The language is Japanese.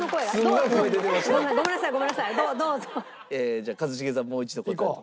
じゃあ一茂さんもう一度。いこう。